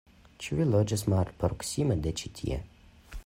Ĉu vi loĝas malproksime de ĉi tie?